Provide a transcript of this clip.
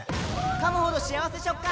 かむほど幸せ食感！